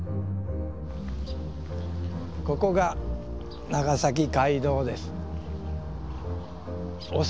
ここが長崎街道です。